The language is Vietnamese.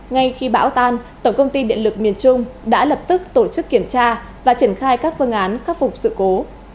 ngay khi bão tan tổng công ty điện lực miền trung đã lập tức tổ chức kiểm tra và triển khai các phương án khắc phục sự cố